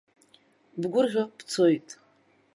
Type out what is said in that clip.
Бгәырӷьо бцоит.